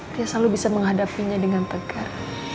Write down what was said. dia selalu bisa menghadapinya dengan tegar